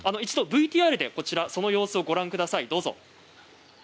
ＶＴＲでその様子をご覧ください。